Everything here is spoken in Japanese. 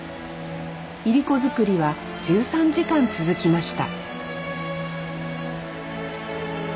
いりこ作りは１３時間続きました